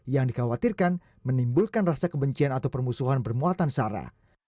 yang dikhawatirkan menimbulkan rasa kebencian atau permusuhan bermuatan sara